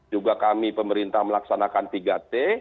juga kami pemerintah melaksanakan tiga t